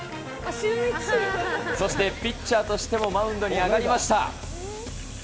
そしてピッチャーとしてもマウンドに上がりました。